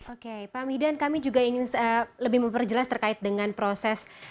oke pak mihdan kami juga ingin lebih memperjelas terkait dengan proses